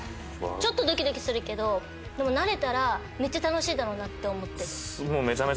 ちょっとドキドキするけどでも慣れたらめっちゃ楽しいだろうなって思ってる。